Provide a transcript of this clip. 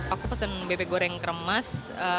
aku pesan bebek goreng keremas